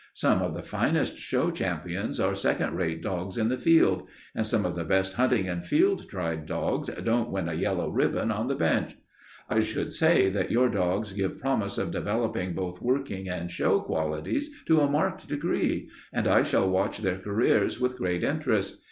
Some of the finest show champions are second rate dogs in the field, and some of the best hunting and field tried dogs couldn't win a yellow ribbon on the bench. I should say that your dogs gave promise of developing both working and show qualities to a marked degree, and I shall watch their careers with great interest.